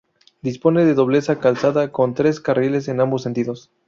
Dispone de doble calzada, con tres carriles en ambos sentidos.